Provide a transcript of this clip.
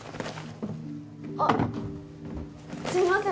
あすいません